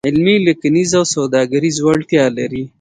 علمي، لیکنیز او سوداګریز وړتیا لري.